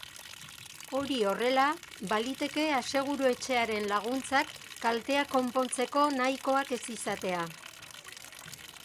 Hori horrela, baliteke aseguru-etxearen laguntzak kalteak konpontzeko nahikoak ez izatea.